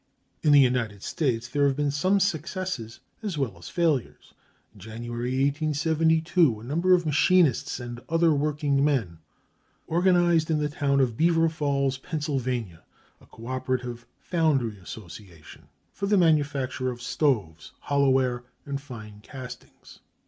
(327) In the United States there have been some successes as well as failures. In January, 1872, a number of machinists and other working men organized in the town of Beaver Falls, Pennsylvania, a Co operative Foundry Association for the manufacture of stoves, hollow ware, and fine castings.